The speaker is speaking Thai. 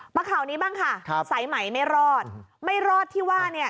ข่าวนี้บ้างค่ะครับสายไหมไม่รอดไม่รอดที่ว่าเนี่ย